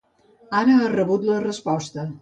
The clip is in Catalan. Ara ha rebut la resposta.